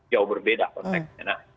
jauh berbeda konteksnya